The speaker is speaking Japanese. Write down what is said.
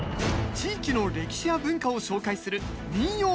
地域の歴史や文化を紹介する「民謡プレゼンショー」。